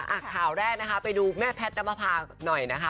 อ่ะข่าวแรกนะคะไปดูแม่แพทย์น้ำมภาหน่อยนะคะ